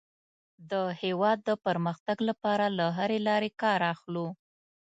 د هېواد د پرمختګ لپاره له هرې لارې کار اخلو.